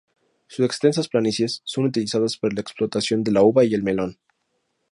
Sus extensas planicies son utilizadas para la explotación de la uva y el melón.